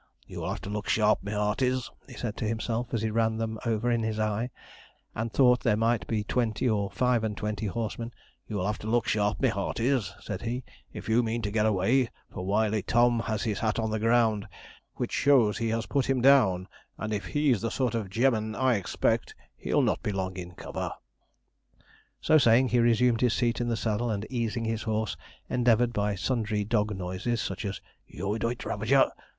'You'll have to look sharp, my hearties,' said he to himself, as he ran them over in his eye, and thought there might be twenty or five and twenty horsemen; 'you'll have to look sharp, my hearties,' said he, 'if you mean to get away, for Wily Tom has his hat on the ground, which shows he has put him down, and if he's the sort of gem'man I expect he'll not be long in cover.' So saying, he resumed his seat in the saddle, and easing his horse, endeavoured, by sundry dog noises such as, 'Yooi doit, Ravager!'